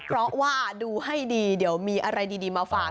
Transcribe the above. เพราะว่าดูให้ดีเดี๋ยวมีอะไรดีมาฝาก